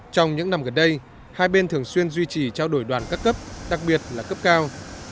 trong những năm gần đây hai bên thường xuyên duy trì trao đổi đoàn các cấp đặc biệt là cấp cao